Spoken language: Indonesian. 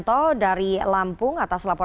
terima kasih ud for sebelas